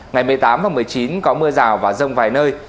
ngày một mươi tám và một mươi chín có mưa rào và rông vài nơi